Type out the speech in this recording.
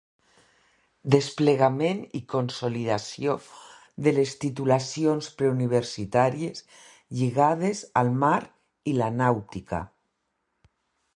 Desplegament i consolidació de les titulacions preuniversitàries lligades al mar i la nàutica.